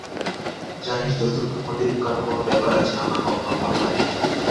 জানিস দোস্ত, তোর মধ্যে লুকানো কোন ব্যাপার আছে আমার কখনো মনে হয়নি।